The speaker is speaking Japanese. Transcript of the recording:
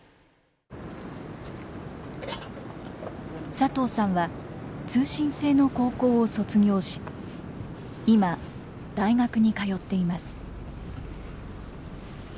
佐藤さんは通信制の高校を卒業し今大学に通っています。